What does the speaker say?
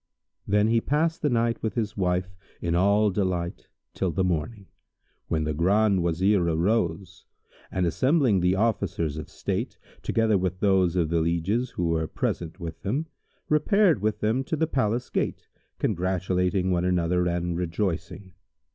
Then he passed the night with his wife in all delight till the morning, when the Grand Wazir arose and, assembling the Officers of state, together with those of the lieges who were present with them, repaired with them to the palace gate, congratulating one another and rejoicing.